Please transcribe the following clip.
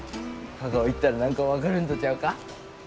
香川行ったら何か分かるんとちゃうか？